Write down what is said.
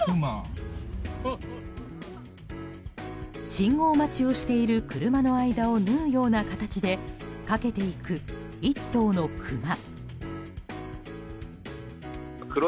信号待ちをしている車の間を縫うような形で駆けていく１頭のクマ。